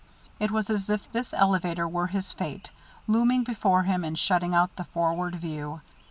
It was as if this elevator were his fate, looming before him and shutting out the forward view.